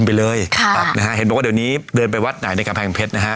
เพราะว่าเดี๋ยวนี้เดินไปวัดไหนในกลางแผ่งเพชรนะฮะ